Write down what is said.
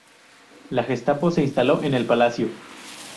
La Gestapo se instaló en el palacio.